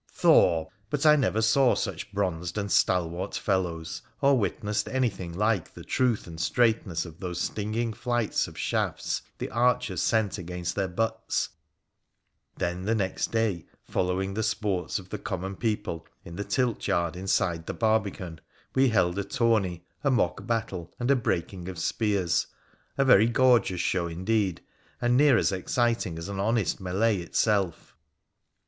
Thor ! but I never saw such bronzed and stalwart fellows, or witnessed anything like the truth and straightness of those stinging flights of shafts the archers sent against their butts ! Then the next day, following the sports of the common people, in the tilt yard inside the barbican, we held a tourney, a mock battle and a breaking of spears, a very gorgeous show indeed, and near as exciting as an honest melee itself.